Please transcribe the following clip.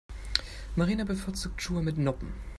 Marina bevorzugt Schuhe mit Noppen.